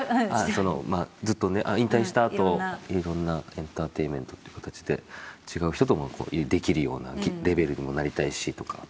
まあずっとね引退したあと色んなエンターテインメントっていう形で違う人ともできるようなレベルにもなりたいしとか。